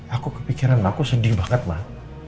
aku kepikiran aku sedih banget mah